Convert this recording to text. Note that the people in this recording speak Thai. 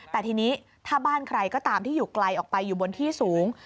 แต่ทีนี้ถ้าบ้านใครก็ตามที่อยู่ไกลออกไปอยู่บนที่สูง